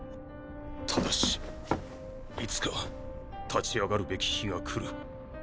ただしいつか立ち上がるべき日が来る。